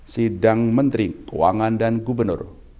sidang menteri keuangan dan gubernur